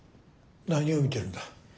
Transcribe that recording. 何を見てるんだ。